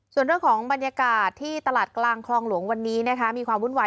ส่วนเรื่องของบรรยากาศที่ตลาดกลางคลองหลวงวันนี้นะคะมีความวุ่นวาย